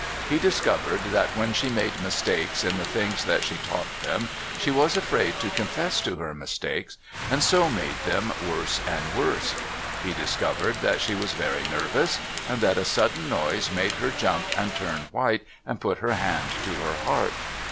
He discovered that when she made mistakes in the things that she taught them she was afraid to confess to her mistakes, and so made them worse and worse. He discovered that she was very nervous, and that a sudden noise made her jump and turn white and put her hand to her heart.